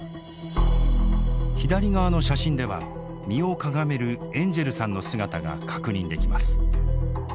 左側の写真では身をかがめるエンジェルさんの姿が確認できます。